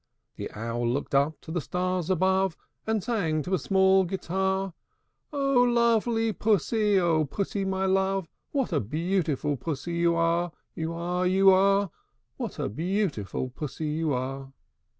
The Owl looked up to the stars above, And sang to a small guitar, "O lovely Pussy, O Pussy, my love, What a beautiful Pussy you are, You are, You are! What a beautiful Pussy you are!"